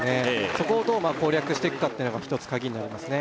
そこをどう攻略していくかってのが一つカギになりますね